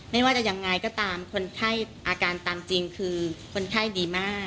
ไม่ว่าจะยังไงก็ตามคนไข้อาการตามจริงคือคนไข้ดีมาก